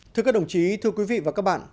thưa các đồng chí thưa quý vị và các bạn